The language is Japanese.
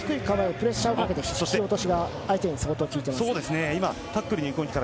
プレッシャーをかけて引き落としが相手に相当効いています。